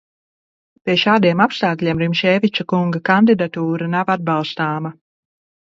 Pie šādiem apstākļiem Rimšēviča kunga kandidatūra nav atbalstāma!